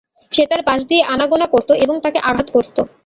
সে তার পাশ দিয়ে আনাগোনা করত এবং তাকে আঘাত করত।